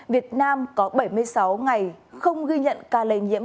việt nam có bảy mươi sáu ngày không ghi nhận ca lây nhiễm